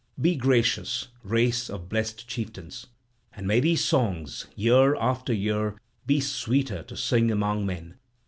Be gracious, race of blessed chieftains! And may these songs year after year be sweeter to sing among men.